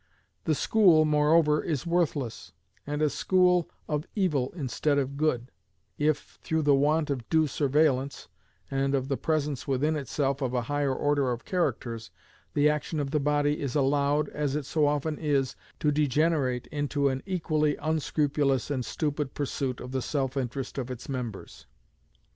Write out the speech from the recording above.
The school, moreover, is worthless, and a school of evil instead of good, if, through the want of due surveillance, and of the presence within itself of a higher order of characters, the action of the body is allowed, as it so often is, to degenerate into an equally unscrupulous and stupid pursuit of the self interest of its members.